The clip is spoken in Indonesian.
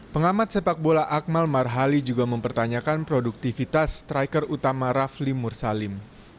pengamat sepak bola akmal marhali juga mempertanyakan produktivitas striker utama rafli mursalim